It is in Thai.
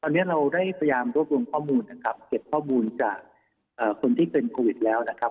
ตอนนี้เราได้พยายามรวบรวมข้อมูลนะครับเก็บข้อมูลจากคนที่เป็นโควิดแล้วนะครับ